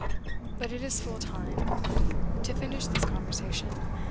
But it is full time, to finish this conversation.